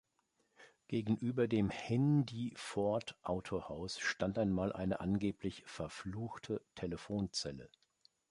Gegenüber dem Hendy-Ford-Autohaus stand einmal eine angeblich „verfluchte“ Telefonzelle.